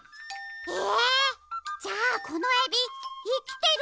えじゃあこのエビいきてるんだ！